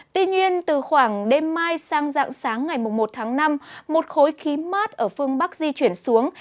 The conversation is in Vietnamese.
tuy nhiên từ khoảng đêm mai sang dạng sáng ngày một tháng năm một khối khí mát ở phương bắc di chuyển xuống